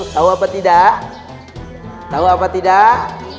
tahu apa tidak